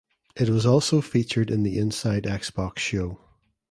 It was also featured in the Inside Xbox Show.